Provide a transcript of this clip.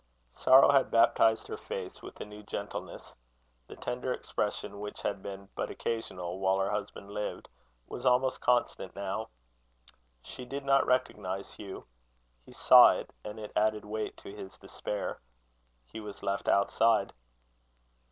Sorrow had baptized her face with a new gentleness. The tender expression which had been but occasional while her husband lived, was almost constant now. She did not recognize Hugh. He saw it, and it added weight to his despair. He was left outside.